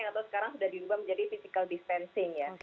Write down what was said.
atau sekarang sudah dirubah menjadi physical distancing ya